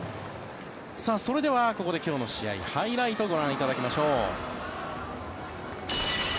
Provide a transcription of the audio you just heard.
それではここで今日の試合のハイライトをご覧いただきましょう。